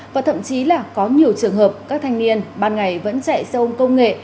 và thậm chí là có nhiều trường hợp các thanh niên ban ngày vẫn chạy xe ôm công nghệ